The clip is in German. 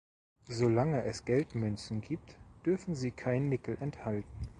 Solange es Geldmünzen gibt, dürfen sie kein Nickel enthalten.